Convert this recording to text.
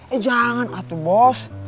eh jangan atuh bos